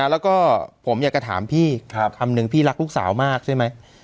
แล้วก็ผมอยากจะถามพี่คำหนึ่งพี่รักลูกสาวมากใช่ไหม